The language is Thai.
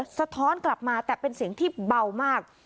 ความช่วยเหลือสะท้อนกลับมาแต่เป็นเสียงที่เบามาก